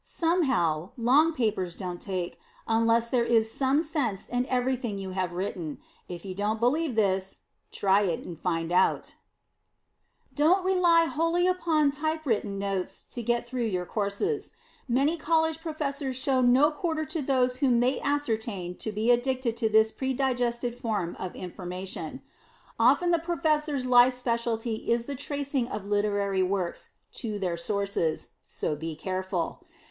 Somehow, long papers don't take, unless there is some sense in everything you have written. If you don't believe this, try it and find out. [Sidenote: PREDIGESTED INFORMATION] Don't rely wholly upon typewritten notes to get through your courses. Many College Professors show no quarter to those whom they ascertain to be addicted to this predigested form of information. Often the Professor's life specialty is the tracing of literary works to their sources; so be careful.